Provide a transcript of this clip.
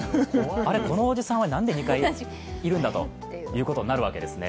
あれ、このおじさんはなんで２回いるんだということになるんですね。